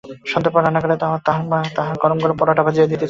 সন্ধ্যার সময় রান্নাঘরের দাওয়ায় তাহার মা তাহাকে গরম গরম পরোটা ভাজিয়া দিতেছিল।